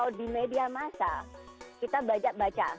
tapi di media masa kita tidak tahu apa yang dia bilang